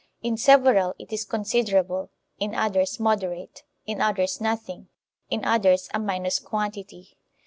In several it is considerable, in others moderate, in others nothing, in others a minus quantity.